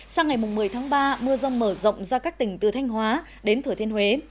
sang ngày một mươi tháng ba mưa rông mở rộng ra các tỉnh từ thanh hóa đến thừa thiên huế